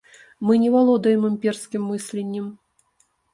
Мы не валодаем імперскім мысленнем.